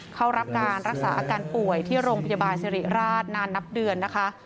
เข้ารับการรักษาอาการป่วยที่โรงพยาบาลสิริราชนานนับเดือนนะคะ